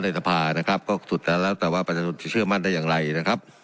สภานะครับก็สุดแล้วแต่ว่าประชาชนจะเชื่อมั่นได้อย่างไรนะครับ